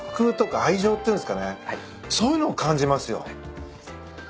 そういうのを感じますよ。